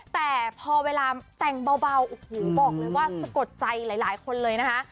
แต่พอเวลาแต่งเบาโอ้โหบอกเลยว่าสะกดใจหลายคนเลยนะคะ